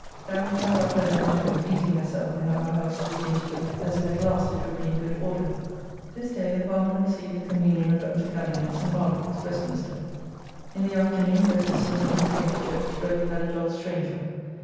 Dined with my wife alone at home pleasing myself in that my house do begin to look as if at last it would be in good order. This day the Parliament received the communion of Dr. Gunning at St. Margaret's, Westminster. In the afternoon both the Sir Williams came to church, where we had a dull stranger.